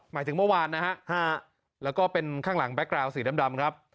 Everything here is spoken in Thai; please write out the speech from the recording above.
หมายถึงเมื่อวานนะฮะแล้วก็เป็นข้างหลังแก๊กกราวสีดำครับ